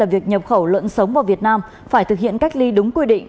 việc nhập khẩu lợn sống vào việt nam phải thực hiện cách ly đúng quy định